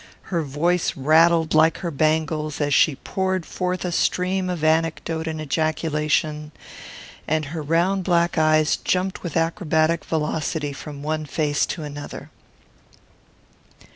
Her voice rattled like her bangles as she poured forth a stream of anecdote and ejaculation; and her round black eyes jumped with acrobatic velocity from one face to another.